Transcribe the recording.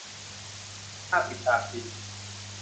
น่าติดตามจริง